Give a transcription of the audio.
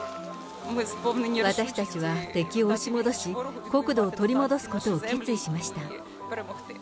私たちは敵を押し戻し、国土を取り戻すことを決意しました。